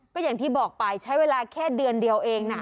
ก็อย่างที่บอกไปใช้เวลาแค่เดือนเดียวเองนะ